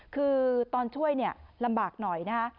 คือตอนช่วยลำบากหน่อยนะฮะ